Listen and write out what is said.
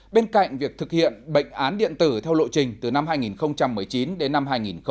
bên cạnh việc thực hiện bệnh án điện tử theo lộ trình từ năm hai nghìn một mươi chín đến năm hai nghìn hai mươi